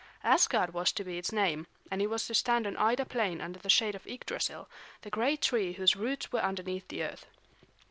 Asgard was to be its name, and it was to stand on Ida Plain under the shade of Yggdrasil, the great tree whose roots were underneath the earth.